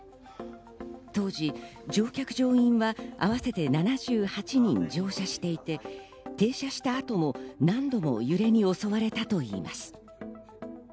当時、乗客乗員は合わせて７８人乗車していて、停車した後も何度も揺れに襲われたといいます。